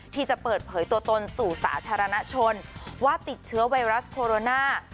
ที่จะเปิดเผยตัวตนสู่สาธารณชนว่าติดเชื้อไวรัสโคโรนา